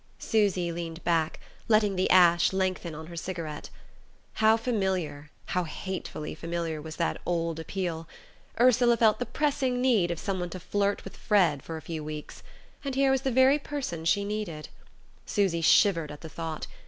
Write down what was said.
Susy leaned back, letting the ash lengthen on her cigarette. How familiar, how hatefully familiar, was that old appeal! Ursula felt the pressing need of someone to flirt with Fred for a few weeks... and here was the very person she needed. Susy shivered at the thought.